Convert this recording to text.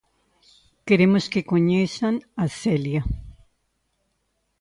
Queremos que coñezan a Celia.